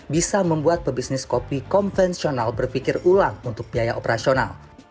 bisa membuat pebisnis kopi konvensional berpikir ulang untuk biaya operasional